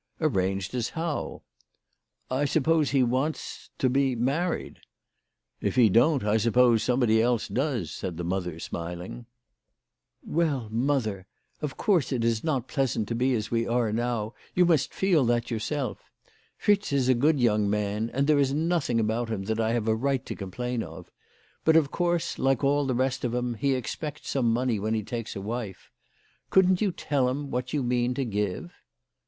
"Arranged as how ?" 11 1 suppose he wants to be married." "If he don't, I suppose somebody else does," said the mother smiling. WHY FRAU FROHMANN RAISED HER PRICES. 51 " Well, motlier ! Of course it is not pleasant to be as we are now. You must feel that yourself. Fritz is a good young man, and there is nothing about him that I have a right to complain of. But of course, like all the rest of 'em, he expects some money when he takes a wife. Couldn't you tell him what you mean to give